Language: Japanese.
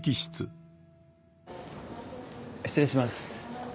失礼します。